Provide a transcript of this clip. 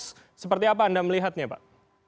seperti apa anda melihatnya pak